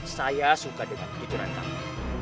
saya suka dengan kejujuran kamu